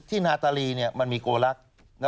นาตาลีมันมีโกลักษณ์